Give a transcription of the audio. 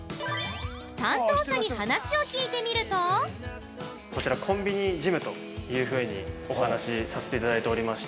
担当者に話を聞いてみると◆こちら、コンビニジムというふうにお話しさせていただいておりまして。